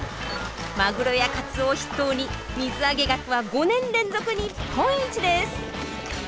マグロやカツオを筆頭に水揚げ額は５年連続日本一です。